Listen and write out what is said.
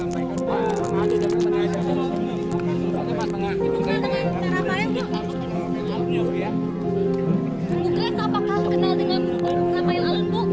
bu keras apakah pemeriksaan terkait apa ya bu